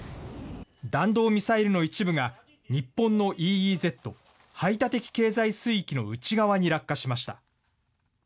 弾道ミサイルの一部が日本のＥＥＺ・排他的経済水域の内側に落下しました。